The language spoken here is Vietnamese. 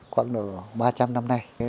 quãng đổ ba trăm linh năm nay